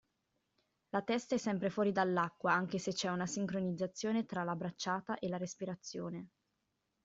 La testa è sempre fuori dall'acqua anche se c'è una sincronizzazione tra la bracciata e la respirazione.